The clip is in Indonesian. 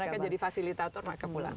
mereka jadi fasilitator mereka pulang